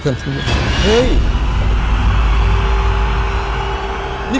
ถูกต้องไหมครับถูกต้องไหมครับ